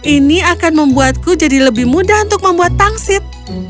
ini akan membuatku jadi lebih mudah untuk membuat pangsit